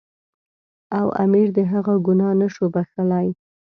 او امیر د هغه ګناه نه شو بخښلای.